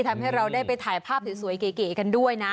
ทำให้เราได้ไปถ่ายภาพสวยเก๋กันด้วยนะ